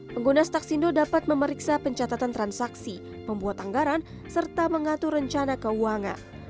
pengguna staksindo dapat memeriksa pencatatan transaksi membuat anggaran serta mengatur rencana keuangan